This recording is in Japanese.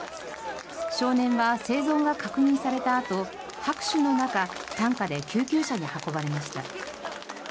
少年は生存が確認されたあと拍手の中担架で救急車に運ばれました。